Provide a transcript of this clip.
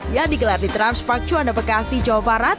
yang digelar di transpak cuan bekasi jawa barat